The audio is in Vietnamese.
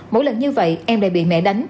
mỗi lần như vậy em lại bị mẹ đánh